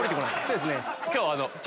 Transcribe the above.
そうですね。